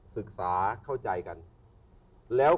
สุขความเธอถาม